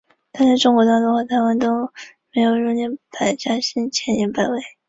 它在中国大陆和台湾都没有列入百家姓前一百位。